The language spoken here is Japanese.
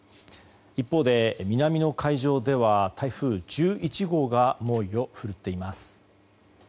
一方で南の海上では台風１１号が猛威を振るっています。